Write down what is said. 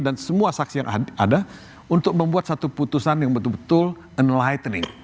dan semua saksi yang ada untuk membuat satu putusan yang betul betul enlightening